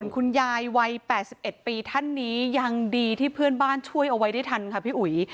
คุณยายวัย๘๑ปีท่านนี้ยังดีที่เพื่อนบ้านช่วยเอาไว้ได้ทันค่ะพี่อุ๋ย